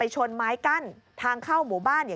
นี่ค่ะคุณผู้ชมพอเราคุยกับเพื่อนบ้านเสร็จแล้วนะน้า